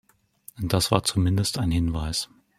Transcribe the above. Das war zumindest ein Hinweis.